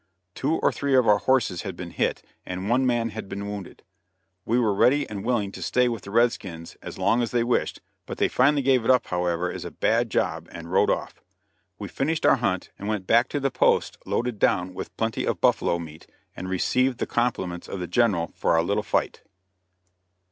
Two or three of our horses had been hit, and one man had been wounded; we were ready and willing to stay with the red skins as long as they wished but they finally gave it up however, as a bad job, and rode off. We finished our hunt, and went back to the post loaded down with plenty of buffalo meat, and received the compliments of the General for our little fight.